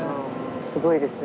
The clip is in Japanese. すごいですね。